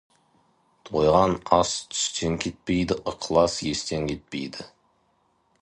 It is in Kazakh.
Тойған ас түстен кетпейді, ықылас естен кетпейді.